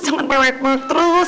jangan mewek mewek terus